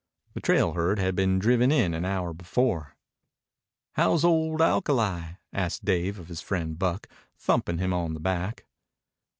The trail herd had been driven in an hour before. "How's old Alkali?" asked Dave of his friend Buck, thumping him on the back.